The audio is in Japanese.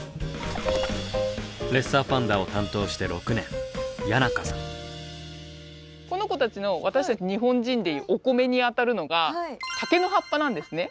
レッサーパンダを担当して６年この子たちの私たち日本人で言うお米にあたるのが竹の葉っぱなんですね。